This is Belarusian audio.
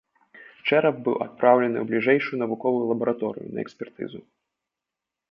Чэрап быў адпраўлены ў бліжэйшую навуковую лабараторыю на экспертызу.